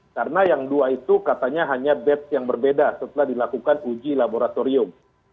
karena yang dua itu katanya hanya bed yang berbeda setelah dilakukan uji laboratorium